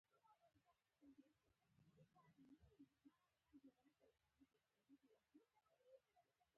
په دې غره کې یوه لرغونی کلا ده چې زمونږ نیکونو جوړه کړی و